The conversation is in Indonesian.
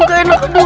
gatel anak gua